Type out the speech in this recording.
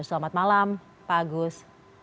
selamat malam pak agus